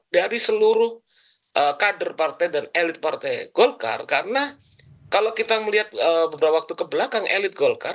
dari seluruh kader partai dan elit partai golkar karena kalau kita melihat beberapa waktu kebelakang elit golkar